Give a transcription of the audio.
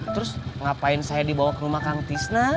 terus ngapain saya dibawa ke rumah kang tisna